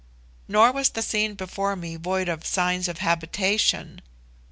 Nor was the scene before me void of signs of habitation.